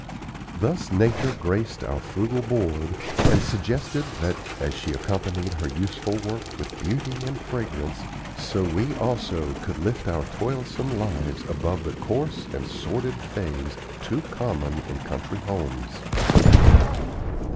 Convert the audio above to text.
Thus Nature graced our frugal board, and suggested that, as she accompanied her useful work with beauty and fragrance, so we also could lift our toilsome lives above the coarse and sordid phase too common in country homes.